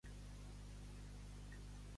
Bloc i País creu que Compromís funciona bé